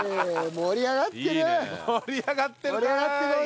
盛り上がってるかーい！